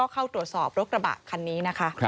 เข้าตรวจสอบรถกระบะคันนี้นะคะ